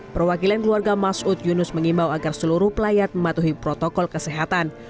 perwakilan keluarga masud yunus mengimbau agar seluruh pelayat mematuhi protokol kesehatan